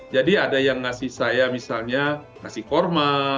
jadi ada yang ngasih saya misalnya nasi korma